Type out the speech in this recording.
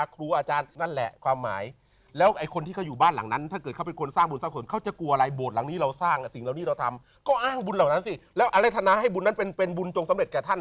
เพราะฉะนั้นเราอย่าไปกลัวมัน